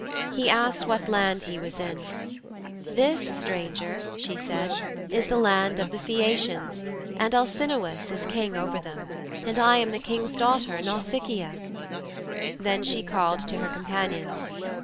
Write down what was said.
He asked what land he was in. 'This, stranger,' she said, 'is the land of the Phæacians, and Alcinous is King over them. And I am the King's daughter, Nausicaa.' Then she called to her companions.